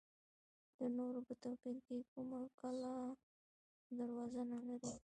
د نورو په توپیر کومه کلا او دروازه نه لري.